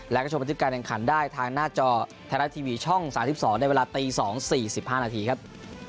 และก็ชมพันธุ์ทิศการทางขันได้ทางหน้าจอแทนาทีวีช่อง๓๒ในเวลา๒๔๕นาทีครับ